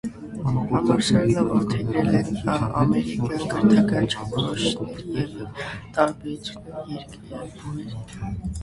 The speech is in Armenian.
Համալսարանը որդեգրել է ամերիկյան կրթական չափորոշիչները ի տարբերություն երկրի այլ բուհերի։